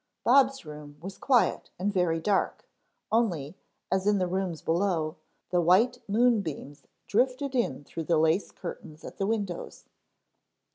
_ BOB'S room was quiet and very dark, only, as in the rooms below, the white moonbeams drifted in through the lace curtains at the windows.